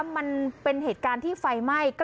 มันเป็นเหตุการณ์ที่ไฟไหม้